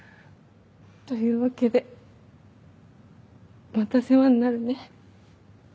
というわけでまた世話になるね。